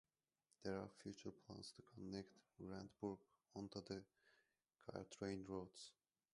There are future plans to connect Randburg onto the Gautrain routes.